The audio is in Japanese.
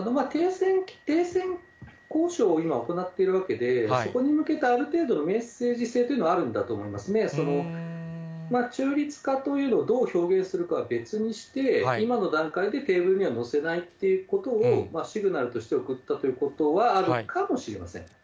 停戦交渉を今、行っているわけで、そこに向けたある程度のメッセージ性というのはあるんだと思いますね、中立化というのを、どう表現するかは別にして、今の段階でテーブルには載せないっていうことを、シグナルとして送ったということはあるかもしれません。